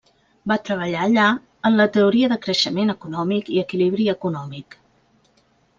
Va treballar allà en la teoria de creixement econòmic i equilibri econòmic.